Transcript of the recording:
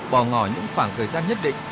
bỏ ngò những khoảng thời gian nhất định